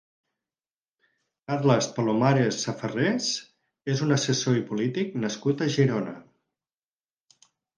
Carles Palomares Safarrés és un assessor i polític nascut a Girona.